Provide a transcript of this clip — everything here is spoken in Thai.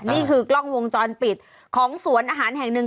นี่คือกล้องวงจรปิดของสวนอาหารแห่งหนึ่ง